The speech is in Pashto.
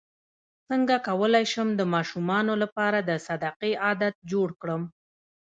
څنګه کولی شم د ماشومانو لپاره د صدقې عادت جوړ کړم